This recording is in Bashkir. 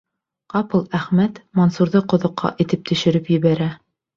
Ҡапыл Әхмәт Мансурҙы ҡоҙоҡҡа этеп төшөрөп ебәрә.